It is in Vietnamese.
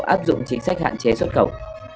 áp dụng chính sách hạn chế xuất khẩu